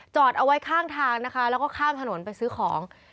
เอาไว้ข้างทางนะคะแล้วก็ข้ามถนนไปซื้อของ